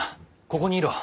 ここにいろ。